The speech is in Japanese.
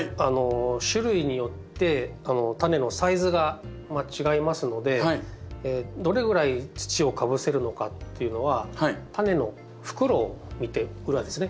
種類によってタネのサイズが違いますのでどれぐらい土をかぶせるのかっていうのはタネの袋を見て裏ですね